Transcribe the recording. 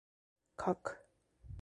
Kok.